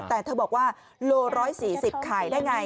แต่เธอบอกว่าโล๑๔๐ขายได้ไง